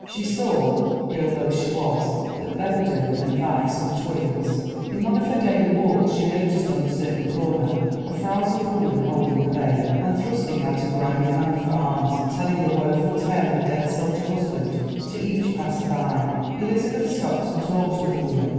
She saw, girl though she was, that beggardom and vice were twins. In one of her daily walks, she noticed on a certain corner a frowsled woman holding a babe, and thrusting out a grimy hand for alms, telling a woeful tale of a dead soldier husband to each passer by. Elizabeth stopped and talked with the woman.